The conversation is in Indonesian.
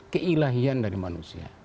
keilahian dari manusia